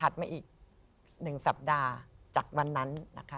ถัดมาอีก๑สัปดาห์จากวันนั้น